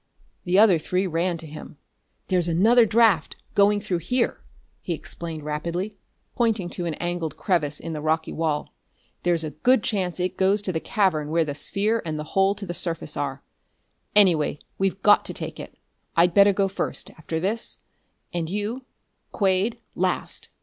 The other three ran to him. "There's another draft going through here," he explained rapidly, pointing to an angled crevice in the rocky wall. "There's a good chance it goes to the cavern where the sphere and the hole to the surface are. Anyway, we've got to take it. I'd better go first, after this and you, Quade, last.